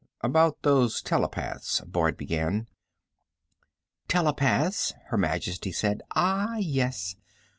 "About those telepaths " Boyd began. "Telepaths," Her Majesty said. "Ah, yes.